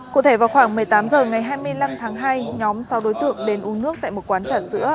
cụ thể vào khoảng một mươi tám h ngày hai mươi năm tháng hai nhóm sau đối tượng đến uống nước tại một quán trà sữa